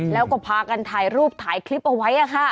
แล้วก็พากันถ่ายรูปถ่ายคลิปเอาไว้